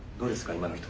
今の人。